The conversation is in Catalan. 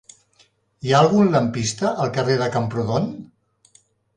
Hi ha algun lampista al carrer de Camprodon?